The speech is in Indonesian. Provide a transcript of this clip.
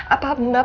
apa mbak pernah